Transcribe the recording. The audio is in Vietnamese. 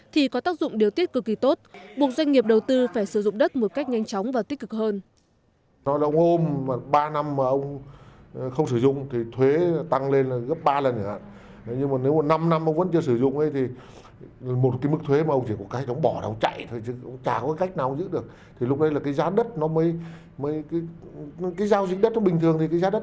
thì có tác dụng điều tiết cực kỳ tốt buộc doanh nghiệp đầu tư phải sử dụng đất một cách nhanh chóng và tích cực hơn